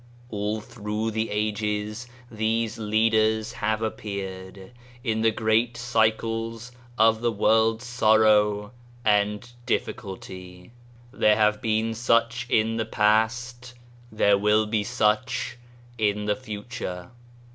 All through the ages these Leaders have appeared, in the great Cycles of the world's sorrow and difficulty. There have been such in the past, there will be such in the future.